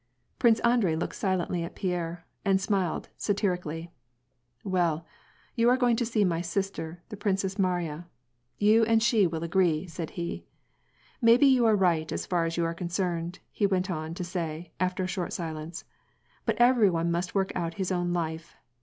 Prince Andrei looked silently at Pierre, and smiled sa tirically. " Well, you are going to see my sister, the Princess Mariya. Yon and she will agree," said he. " May be you are right as far as you are concerned," he went on to say, after a short silence, "but every one must work out his own life.